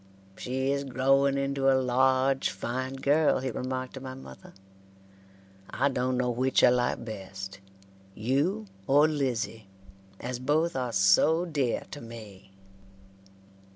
"She is growing into a large fine girl," he remarked to my mother. "I dun no which I like best, you or Lizzie, as both are so dear to me."